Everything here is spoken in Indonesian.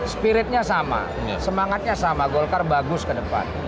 spiritnya sama semangatnya sama golkar bagus kedepan